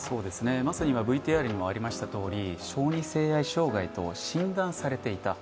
まさに今、ＶＴＲにもありましたとおり、小児性愛障害と診断されていた。